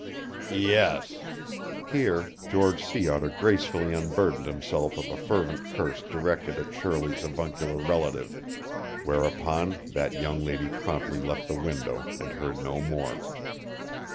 "Yes " Here George Sea Otter gracefully unburdened himself of a fervent curse directed at Shirley's avuncular relative; whereupon that young lady promptly left the window and heard no more.